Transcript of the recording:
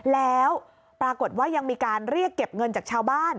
แล้วปรากฏว่ายังมีการเรียกเก็บเงินจากชาวบ้าน